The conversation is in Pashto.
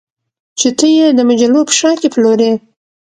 چې ته یې د مجلو په شا کې پلورې